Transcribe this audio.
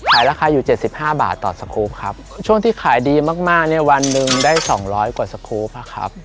ขายราคาอยู่๗๕บาทต่อสกูปครับช่วงที่ขายดีมากวันหนึ่งได้๒๐๐กว่าสกูปครับครับ